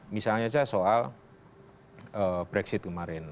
misalnya saja soal brexit kemarin